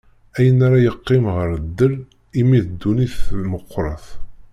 Ayen ara yeqqim ɣer ddel, imi d dunnit meqqret.